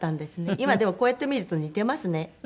今でもこうやって見ると似てますね。